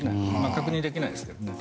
確認できないですけどね。